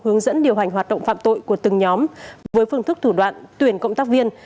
hướng dẫn điều hành hoạt động phạm tội của từng nhóm với phương thức thủ đoạn tuyển cộng tác viên